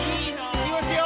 いきますよ！